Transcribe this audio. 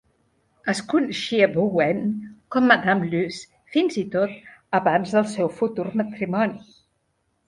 Es coneixia Bouin com "Madame Luce", fins i tot abans del seu futur matrimoni.